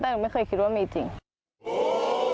แต่หนูไม่เคยคิดว่ามีจริง